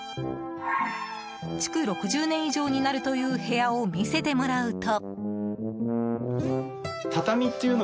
築６０年以上になるという部屋を見せてもらうと。